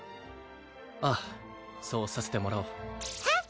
ああそうさせてもらおうえっ？